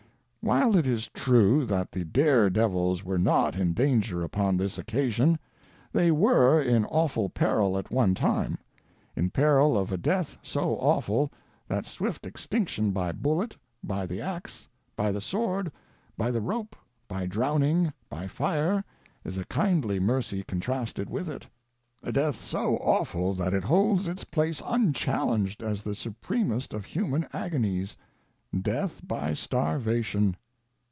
While it is true that the Dare Devils were not in danger upon this occasion, they were in awful peril at one time; in peril of a death so awful that .swift extinction by bullet, by the axe, by the sword, by the rope, by drowning, by fire, is a kindly mercy con trasted with it; a death so awful that it holds its place unchal lenged as the supremest of human agonies — death by starvation.